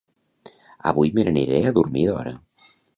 Avui me n'aniré a dormir d'hora